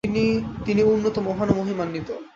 তিনি উন্নত, মহান ও মহিমান্বিত।